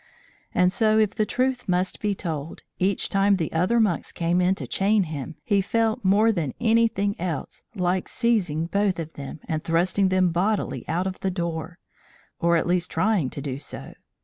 And so if the truth must be told, each time the other monks came in to chain him, he felt more than anything else like seizing both of them, and thrusting them bodily out of the door, or at least trying to do so.